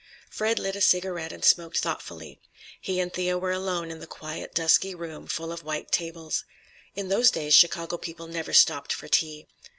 Fred lit a cigarette and smoked thoughtfully. He and Thea were alone in the quiet, dusky room full of white tables. In those days Chicago people never stopped for tea.